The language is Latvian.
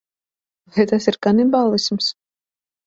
Vai tas ir kanibālisms?